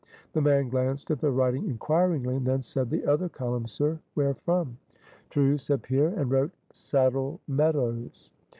The man glanced at the writing inquiringly, and then said "The other column, sir where from." "True," said Pierre, and wrote "Saddle Meadows."